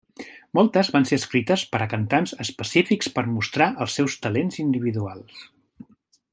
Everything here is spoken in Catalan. Moltes van ser escrites per a cantants específics per mostrar els seus talents individuals.